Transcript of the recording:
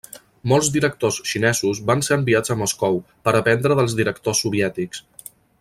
Molts directors xinesos van ser enviats a Moscou, per aprendre dels directors soviètics.